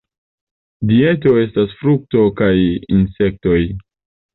Dieto estas frukto kaj insektoj.